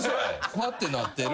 ふわってなってる？